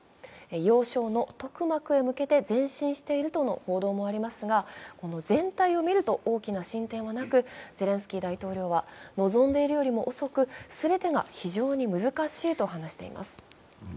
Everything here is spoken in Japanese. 要衝のトクマクへ向けて、前進しているとの報道もありますが全体を見ると大きな進展はなく、ゼレンスキー大統領は望んでいるよりも遅くすべてが非常に難しいと話しています。